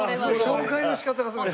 紹介の仕方がすごい。